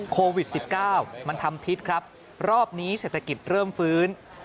โควิด๑๙มันทำพิษครับรอบนี้เศรษฐกิจเริ่มฟื้น